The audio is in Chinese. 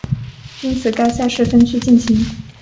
因此该赛事分区进行。